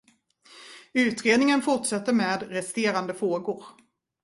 Utredningen fortsätter med resterande frågor.